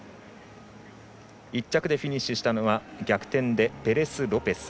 １着でフィニッシュしたのは逆転でペレスロペス。